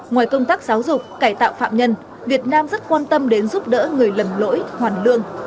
ngoài công tác giáo dục cải tạo phạm nhân việt nam rất quan tâm đến giúp đỡ người lầm lỗi hoàn lương